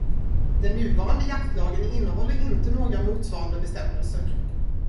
Den nuvarande jaktlagen innehåller inte några motsvarande bestämmelser.